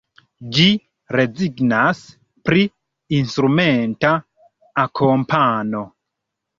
Ĝi rezignas pri instrumenta akompano.